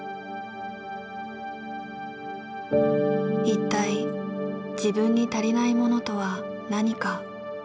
一体自分に足りないものとは何か。